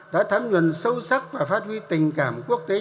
đã thấm nhuận sâu sắc và phát huy tình cảm quốc tế